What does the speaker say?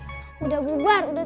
itu berjanji udah selesai